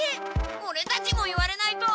オレたちも言われないと。